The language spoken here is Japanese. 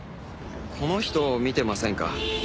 この人を見てませんか？